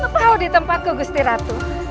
atau di tempatku gusti ratu